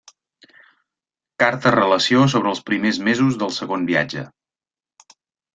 Carta-relació sobre els primers mesos del Segon Viatge.